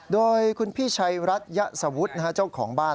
โดยคุณพี่ชายรัชยสวุฒินะครับเจ้าของบ้าน